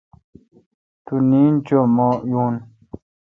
تو نیند چو مہ یون۔